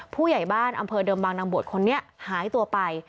ผู้ใหญ่บ้านอำเภอเดิมบางนางบวชคนนี้หายตัวไป